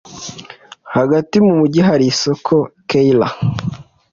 Hagati mu mujyi, hari isoko. (keira_n)